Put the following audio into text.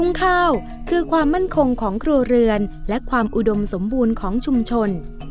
ข้าวคือความมั่นคงของครัวเรือนและความอุดมสมบูรณ์ของชุมชน